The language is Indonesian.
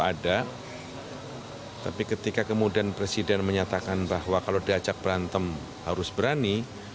ada tapi ketika kemudian presiden menyatakan bahwa kalau diajak berantem harus berani